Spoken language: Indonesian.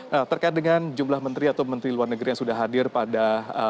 nah terkait dengan jumlah menteri atau menteri luar negeri yang sudah hadir pada